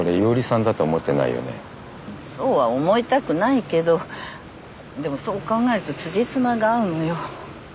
そうは思いたくないけどでもそう考えると辻褄が合うのよ。